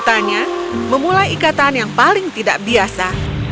tuan fong yang diberi kekuatan memulai ikatan yang paling tidak biasa